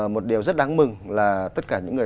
một điều rất đáng mừng là tất cả những người